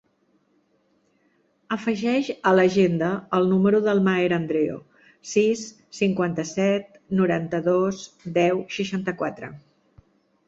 Afegeix a l'agenda el número del Maher Andreo: sis, cinquanta-set, noranta-dos, deu, seixanta-quatre.